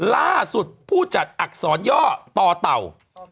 ล่าสุดผู้จัดอักษรย่อต่อเต่า